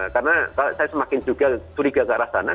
karena saya semakin juga curiga ke arah tanah